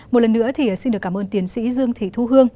một lần nữa thì xin được cảm ơn tiến sĩ dương thị thu hương